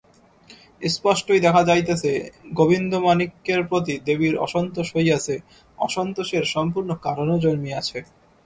স্পষ্টই দেখা যাইতেছে গোবিন্দমাণিক্যের প্রতি দেবীর অসন্তোষ হইয়াছে, অসন্তোষের সম্পূর্ণ কারণও জন্মিয়াছে।